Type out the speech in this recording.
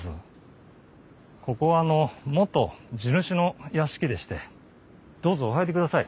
ここは元地主の屋敷でしてどうぞお入りください。